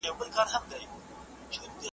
توري چي غاړي پرې کوي دوست او دښمن نه لري .